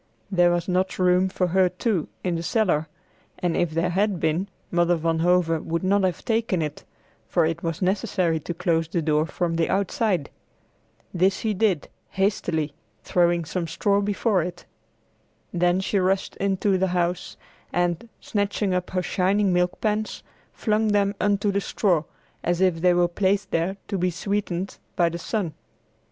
There was not room for her too, in the cellar, and if there had been, Mother Van Hove would not have taken it, for it was necessary to close the door from the outside. This she did, hastily, throwing some straw before it. Then she rushed into the house and, snatching up her shining milk pans, flung them upon the straw, as if they were placed there to be sweetened by the sun.